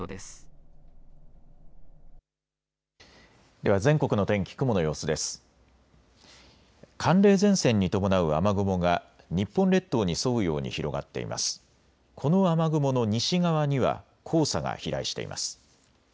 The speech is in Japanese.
この雨雲の西側には黄砂が飛来しています。